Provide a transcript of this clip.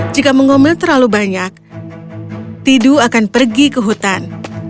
jika mengomil terlalu banyak tidu akan pergi ke hutan